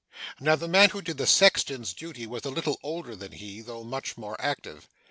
Now, the man who did the sexton's duty was a little older than he, though much more active.